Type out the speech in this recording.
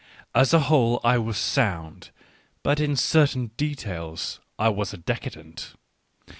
As a whole I was sound, but in certain details I was a decadent.